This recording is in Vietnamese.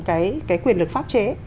cái quyền lực pháp chế